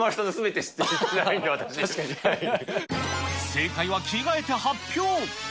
正解は着替えて発表。